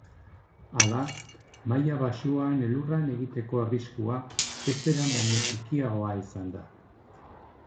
Hala, maila baxuan elurra egiteko arriskua bezperan baino txikiagoa izango da.